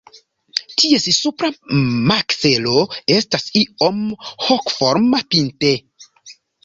Ties supra makzelo estas iom hokoforma pinte.